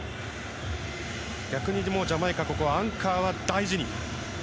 逆にジャマイカアンカーは大事に。